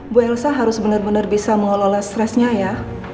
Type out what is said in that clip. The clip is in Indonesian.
bu elsa harus bener bener bisa mengelola stresnya ya